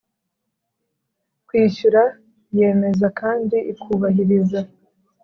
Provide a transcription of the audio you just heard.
kwishyura yemeza kandi ikubahiriza